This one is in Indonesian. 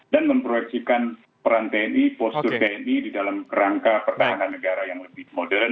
dan memproyeksikan peran tni postur tni di dalam rangka pertahanan negara yang lebih modern